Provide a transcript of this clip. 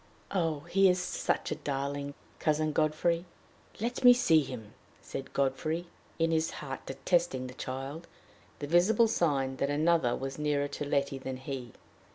Oh, he is such a darling, Cousin Godfrey!" "Let me see him," said Godfrey, in his heart detesting the child the visible sign that another was nearer to Letty than he.